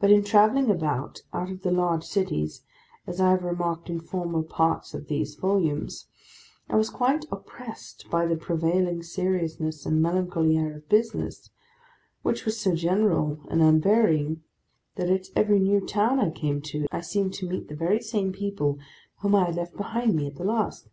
But in travelling about, out of the large cities—as I have remarked in former parts of these volumes—I was quite oppressed by the prevailing seriousness and melancholy air of business: which was so general and unvarying, that at every new town I came to, I seemed to meet the very same people whom I had left behind me, at the last.